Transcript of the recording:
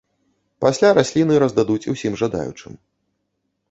Пасля расліны раздадуць усім жадаючым.